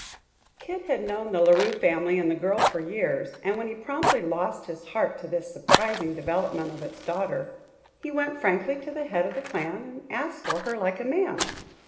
Kid had known the La Rue family and the girl for years, and when he promptly lost his heart to this surprising development of its daughter, he went frankly to the head of the clan and asked for her like a man.